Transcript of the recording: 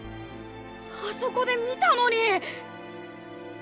あそこで見たのに。